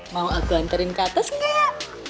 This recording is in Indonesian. mau aku anterin ke atas nggak ya